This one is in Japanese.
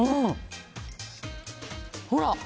ほら。